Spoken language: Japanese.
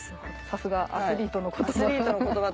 さすがアスリートの言葉。